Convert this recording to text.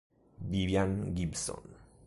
Vivian Gibson